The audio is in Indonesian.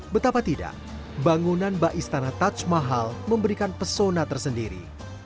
betapa tidak bangunan baistana taj mahal memberikan pesona tersendiri